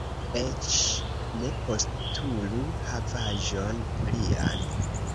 Eĉ ne postulu havaĵon lian.